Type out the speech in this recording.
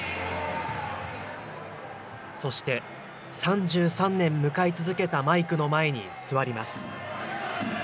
そして３３年向かい続けたマイクの前に座ります。